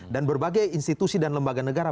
berbagai institusi dan lembaga negara